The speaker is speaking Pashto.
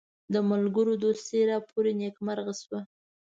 د ملګرو دوستي راپوري نیکمرغه شوه.